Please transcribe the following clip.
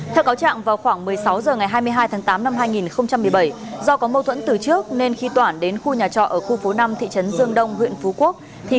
theo cáo trạng vào khoảng một mươi sáu h ngày hai mươi hai tháng tám năm hai nghìn một mươi bảy do có mâu thuẫn từ trước nên khi toản đến khu nhà trọ ở khu phố năm thị trấn dương đông huyện phú quốc